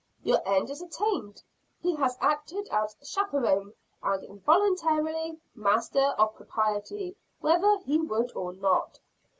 Your end is attained. He has acted as chaperon, and involuntary master of propriety whether he would or not.